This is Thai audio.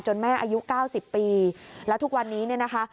แม่อายุ๙๐ปีแล้วทุกวันนี้เนี่ยนะคะ